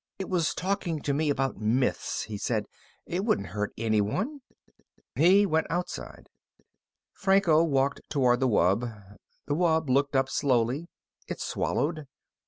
"It was talking to me about myths," he said. "It wouldn't hurt anyone." He went outside. Franco walked toward the wub. The wub looked up slowly. It swallowed.